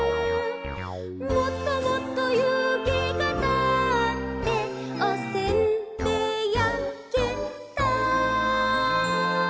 「もっともっと湯気がたっておせんべいやけた」